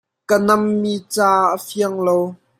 Ka nammi ca a fiang lo.